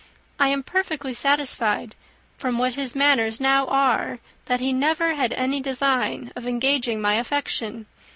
I am perfectly satisfied, from what his manners now are, that he never had any design of engaging my affection.